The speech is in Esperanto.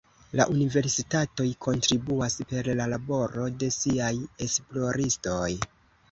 La universitatoj kontribuas per la laboro de siaj esploristoj.